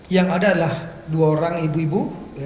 yang ada adalah dua orang ibu ibu